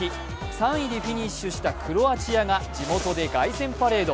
３位でフィニッシュしたクロアチアが地元で凱旋パレード。